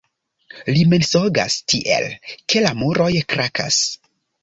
Li mensogas tiel, ke la muroj krakas.